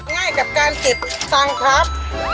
ง่ายกับการกิจตังครับ